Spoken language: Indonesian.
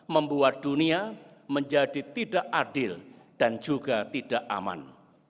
membuat dunia menjadi tidak adil dan juga tidak aman